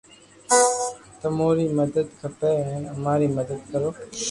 تموري ري مدد کپي ھين اماري مدد ڪرو